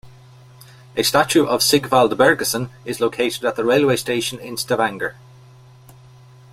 A statue of Sigvald Bergesen is located at the railway station in Stavanger.